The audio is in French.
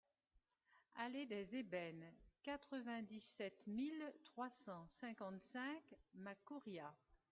Allée des Ébènes, quatre-vingt-dix-sept mille trois cent cinquante-cinq Macouria